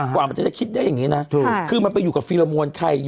กว่ามันจะคิดได้แบบนี้นะคือมันจะไปอยู่กับฟิลโลม้วนไค